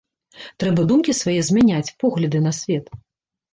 Трэба думкі свае змяняць, погляды на свет.